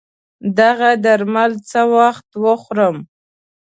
دغه درمل څه وخت وخورم